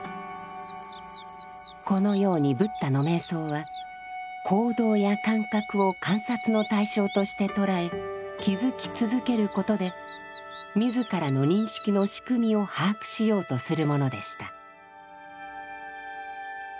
このようにブッダの瞑想は行動や感覚を観察の対象として捉え気づき続けることで自らの認識の仕組みを把握しようとするものでした。